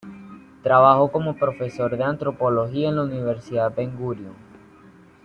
Trabajó como profesor de antropología en la Universidad Ben-Gurion.